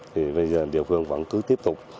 thì bây giờ địa phương vẫn cứ tiếp tục